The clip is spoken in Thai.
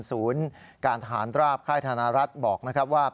ศูนย์การทหารตราบค่ายธนรัฐบอกว่า